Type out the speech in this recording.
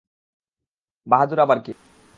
বাহাদুর আবার কে?